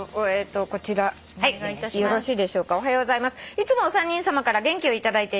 「いつもお三人さまから元気を頂いています」